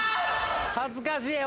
恥ずかしい。